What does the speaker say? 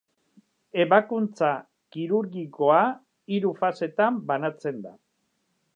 Ebakuntza kirurgikoa hiru fasetan banatzen da.